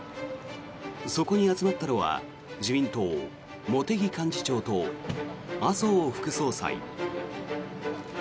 そこに集まったのは自民党、茂木幹事長と麻生副総裁。